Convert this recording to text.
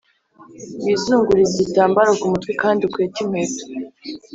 Wizungurize igitambaro ku mutwe kandi ukwete inkwato